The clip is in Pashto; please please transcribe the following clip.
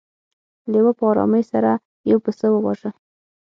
لیوه په ارامۍ سره یو پسه وواژه.